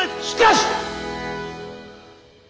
しかし！